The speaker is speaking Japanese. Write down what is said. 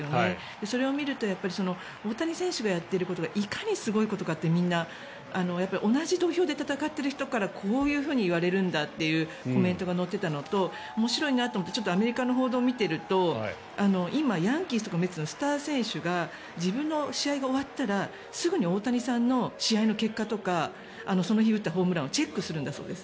それを見ると大谷選手がやっていることがいかにすごいことかって、みんな同じ土俵で戦っている人からこういうふうに言われるんだってコメントが載っていたのと面白いなと思ってアメリカの報道を見ていると今、ヤンキースとかメッツのスター選手が自分の試合が終わったらすぐに大谷さんの試合の結果とかその日、打ったホームランをチェックするんだそうです。